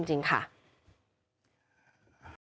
ก็แสดงความเสียใจด้วยจริงกับครอบครัวนะคะ